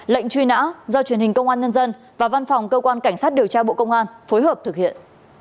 lệnh truy nã do truyền hình công an nhân dân và văn phòng cơ quan cảnh sát điều tra bộ công an phối hợp thực hiện